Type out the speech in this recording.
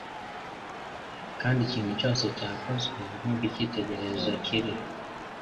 kandi ikintu cyose cyakozwe nk’uko icyitegererezo kiri.